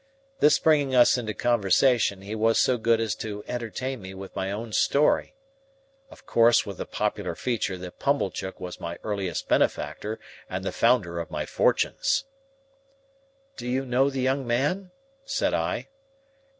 This bringing us into conversation, he was so good as to entertain me with my own story,—of course with the popular feature that Pumblechook was my earliest benefactor and the founder of my fortunes. "Do you know the young man?" said I.